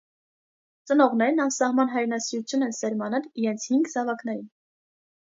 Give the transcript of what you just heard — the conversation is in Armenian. Ծնողներն անսահման հայրենասիրություն են սերմանել իրենց հինգ զավակներին։